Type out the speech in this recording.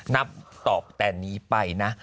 นับตอบแต่นี้ไปนะ